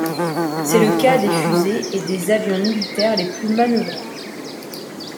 C'est le cas des fusées et des avions militaires les plus manœuvrants.